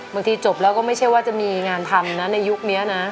จบแล้วก็ไม่ใช่ว่าจะมีงานทำนะในยุคนี้นะ